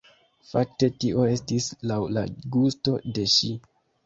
Fakte tio estis laŭ la gusto de ŝi.